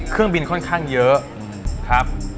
เครื่องบินค่อนข้างเยอะครับ